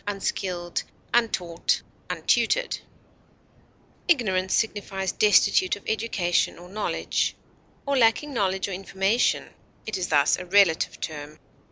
uneducated, uninstructed, unskilled, Ignorant signifies destitute of education or knowledge, or lacking knowledge or information; it is thus a relative term.